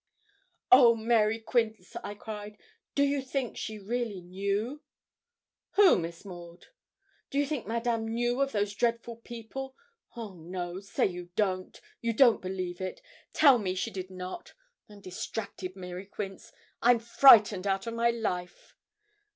'Oh! Mary Quince,' I cried, 'do you think she really knew?' 'Who, Miss Maud?' 'Do you think Madame knew of those dreadful people? Oh, no say you don't you don't believe it tell me she did not. I'm distracted, Mary Quince, I'm frightened out of my life.'